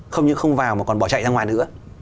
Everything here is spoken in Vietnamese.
không như không vào mà còn bỏ chạy ra ngoài nữa